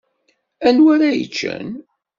Anwa ara yeččen?